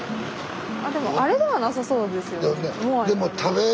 でもあれではなさそうですよね。